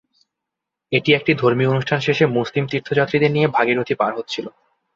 এটি একটি ধর্মীয় অনুষ্ঠান শেষে মুসলিম তীর্থযাত্রীদের নিয়ে ভাগীরথী পার হচ্ছিল।